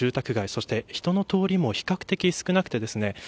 そして、人の通りも比較的少なくてですね